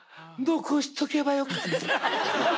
「残しとけばよかった」。